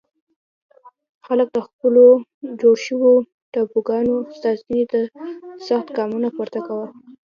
خلک د خپلو جوړ شوو ټاپوګانو ساتنې ته سخت ګامونه پورته کړل.